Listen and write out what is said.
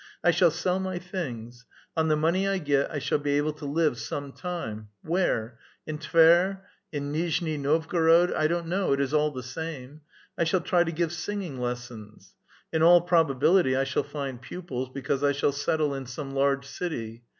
I shall sell my things. On the money I get I shall be able to live some time. Where ? In Tver, in Nizhni [Novgorod], I don't know ; it is all the same. I shall try to give singing lessons. In all probability I shall find pupils, because I shall settle in some large city.